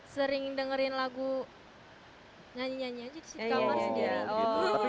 sering dengerin lagu nyanyi nyanyi aja di kamar sendiri